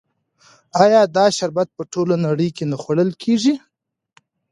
آیا دا شربت په ټوله نړۍ کې نه خوړل کیږي؟